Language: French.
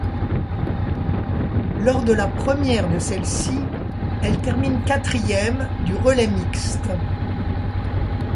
Lors de la première de celles-ci, elle termine quatrième du relais mixte.